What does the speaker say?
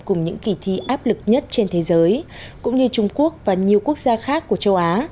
cùng những kỳ thi áp lực nhất trên thế giới cũng như trung quốc và nhiều quốc gia khác của châu á